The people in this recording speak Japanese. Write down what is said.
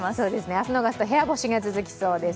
明日逃すと部屋干しが続きそうです。